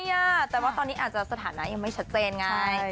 แต่ว่าตอนนี้อาจจะสถานะยังไม่ชัดเจนไง